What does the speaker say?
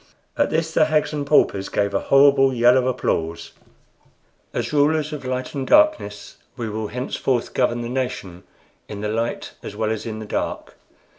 At this the hags and paupers gave a horrible yell of applause. "As rulers of Light and Darkness, we will henceforth govern the nation in the light as well as in the dark.